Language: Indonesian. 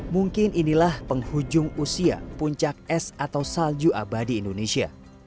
mungkin inilah penghujung usia puncak es atau salju abadi indonesia